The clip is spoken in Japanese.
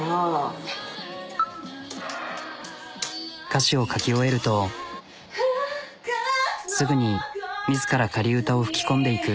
歌詞を書き終えるとすぐに自ら仮歌を吹き込んでいく。